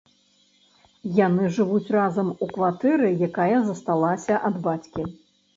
Яны жывуць разам у кватэры, якая засталася ад бацькі.